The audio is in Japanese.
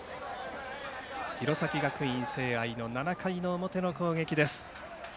弘前学院聖愛の７回の表の攻撃です。